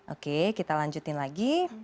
oke kita lanjutin lagi